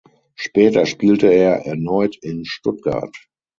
Später spielte er erneut in Stuttgart.